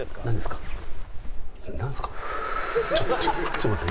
ちょっと待って。